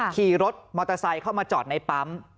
ขี่รถมอเตอร์ไซค์เข้ามาจอดในปั๊ม